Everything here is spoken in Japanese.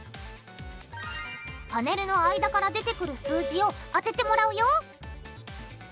パネルの間から出てくる数字を当ててもらうよ